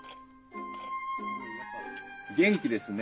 元気ですね。